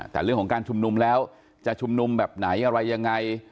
แต่เรื่องของการชุมนุมแล้วจะชุมนุมแบบไหนอะไรยังไง